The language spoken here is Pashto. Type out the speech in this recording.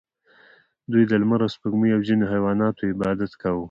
دوی د لمر او سپوږمۍ او ځینو حیواناتو عبادت کاوه